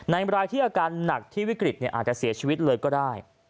รายที่อาการหนักที่วิกฤตอาจจะเสียชีวิตเลยก็ได้